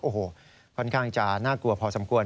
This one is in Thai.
โอ้โหค่อนข้างจะน่ากลัวพอสมควร